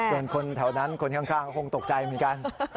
ส่วนคนแถวนั้นคนข้างก็คงตกใจเหมือนกัน